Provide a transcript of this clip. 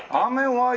はい。